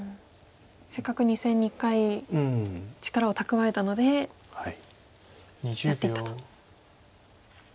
せっかく２線に一回力を蓄えたのでやっていったと。